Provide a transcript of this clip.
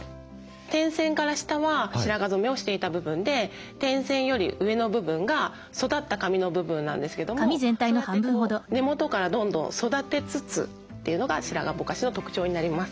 点線から下は白髪染めをしていた部分で点線より上の部分が育った髪の部分なんですけどもそうやって根元からどんどん育てつつというのが白髪ぼかしの特徴になります。